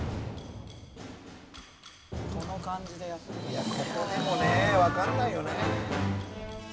いやここでもねわからないよね。